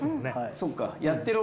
そっか。